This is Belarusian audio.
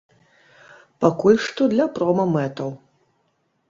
Пакуль што для прома-мэтаў.